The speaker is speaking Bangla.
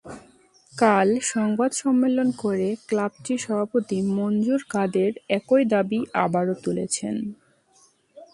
কাল সংবাদ সম্মেলন করে ক্লাবটির সভাপতি মনজুর কাদের একই দাবি আবারও তুলেছেন।